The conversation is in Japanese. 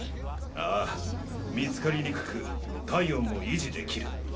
ああ見つかりにくく体温も維持できる。